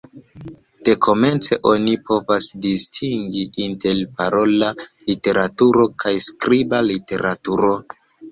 Dekomence oni povas distingi inter parola literaturo kaj skriba literaturo.